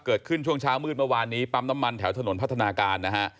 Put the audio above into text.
เกิดขึ้นช่วงเช้ามืดเมื่อวานนี้ปั๊มน้ำมันแถวถนนพัฒนาการนะฮะ